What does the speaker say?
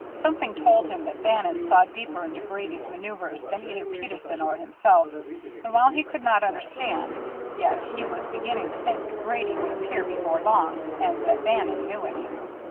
Something told him that Bannon saw deeper into Grady's man[oe]uvres than either Peterson or himself, and while he could not understand, yet he was beginning to think that Grady would appear before long, and that Bannon knew it.